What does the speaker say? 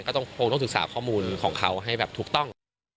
ก็คงต้องศึกษาข้อมูลของเขาให้แบบถูกต้อง